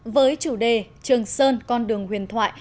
với chủ đề trường sơn con đường huyền thoại